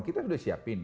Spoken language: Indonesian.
kita sudah siapin